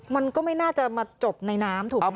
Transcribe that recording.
มันก็ไม่น่าจะมาจบในน้ำถูกไหม